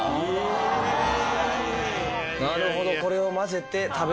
なるほど。